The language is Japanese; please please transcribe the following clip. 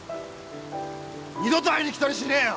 二度と会いにきたりしねえよ！